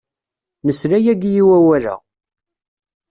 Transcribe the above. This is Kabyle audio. Nesla yagi i wawal-a.